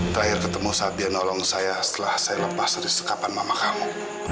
terakhir ketemu saat dia nolong saya setelah saya lepas dari sekapan mama kamu